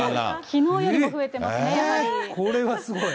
きのうよりも増えてますね、これはすごい。